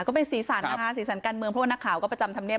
ก็เป็นสีสันนะคะสีสันการเมืองเพราะว่านักข่าวก็ประจำธรรมเนีย